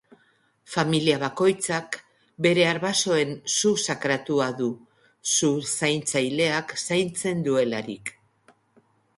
Familia bakoitzak bere arbasoen su sakratua du, su-zaintzaileak zaintzen duelarik.